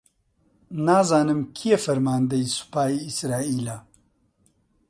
نازانم کێ فەرماندەی سوپای ئیسرائیلە؟